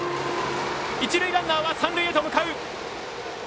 一塁ランナーは三塁へ向かう。